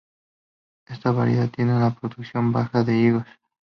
Esta variedad tiene una producción baja de higos.